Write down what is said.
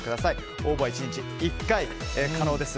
応募は１日１回可能です。